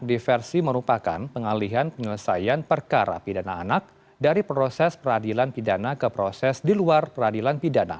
diversi merupakan pengalihan penyelesaian perkara pidana anak dari proses peradilan pidana ke proses di luar peradilan pidana